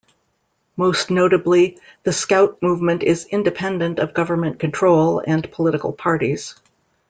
Most notably, the Scout movement is independent of government control and political parties.